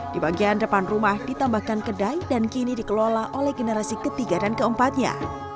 di bagian depan rumah ditambahkan kedai dan kini dikelola oleh generasi ketiga dan keempatnya